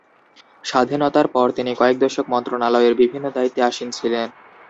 স্বাধীনতার পর তিনি কয়েক দশক মন্ত্রণালয়ের বিভিন্ন দায়িত্বে আসীন ছিলেন।